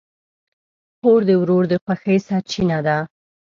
خور د ورور د خوښۍ سرچینه ده.